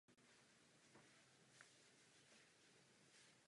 Signály, které momentálně v srbském hospodářství vidíme, jsou vskutku vynikající.